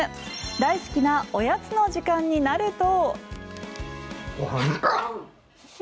大好きなおやつの時間になると。